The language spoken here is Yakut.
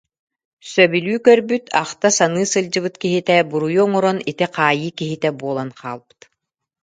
Сөбүлүү көрбүт, ахта-саныы сылдьыбыт киһитэ буруйу оҥорон ити хаайыы киһитэ буолан хаалбыт